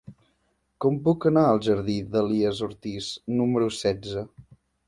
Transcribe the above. Com puc anar al jardí d'Elies Ortiz número setze?